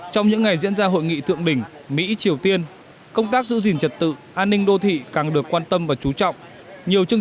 trong những ngày diễn ra hội nghị thượng đỉnh mỹ triều tiên công tác giữ gìn trật tự an ninh đô thị càng được quan tâm và chú trọng